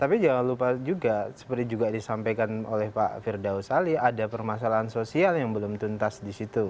tapi jangan lupa juga seperti juga disampaikan oleh pak firdaus ali ada permasalahan sosial yang belum tuntas di situ